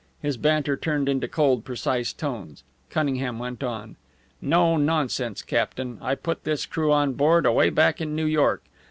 His banter turned into cold, precise tones. Cunningham went on: "No nonsense, captain! I put this crew on board away back in New York.